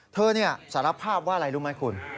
เธอเนี่ยสารภาพว่าอะไรรู้ไหมคุณ